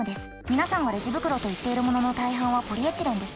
皆さんがレジ袋といっているものの大半はポリエチレンです。